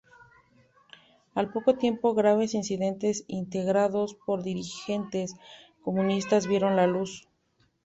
Al poco tiempo graves incidentes instigados por dirigentes comunistas vieron la luz.